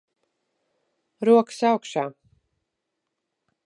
Rokas augšā.